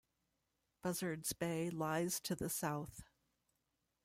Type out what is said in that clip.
Buzzards Bay lies to the south.